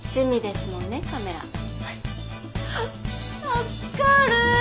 助かる。